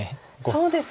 そうですよね。